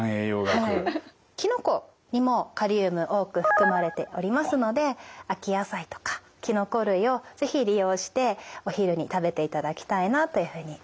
きのこにもカリウム多く含まれておりますので秋野菜とかきのこ類を是非利用してお昼に食べていただきたいなというふうに思っています。